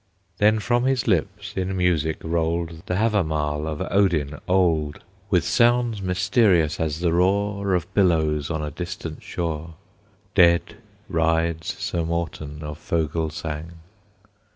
Then from his lips in music rolled The Havamal of Odin old, With sounds mysterious as the roar Of billows on a distant shore. Dead rides Sir Morten of Fogelsang.